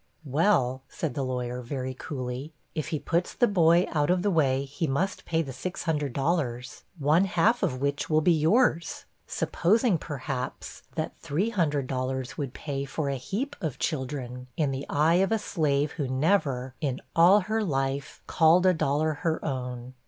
'Well,' said the lawyer, very coolly, 'if he puts the boy out of the way, he must pay the $600 one half of which will be yours'; supposing, perhaps, that $300 would pay for a 'heap of children,' in the eye of a slave who never, in all her life, called a dollar her own.